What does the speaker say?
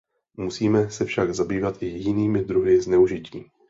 Musíme se však zabývat i jinými druhy zneužití.